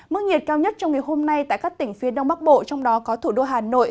mức nhiệt cao nhất trong ngày hôm nay tại các tỉnh phía đông bắc bộ trong đó có thủ đô hà nội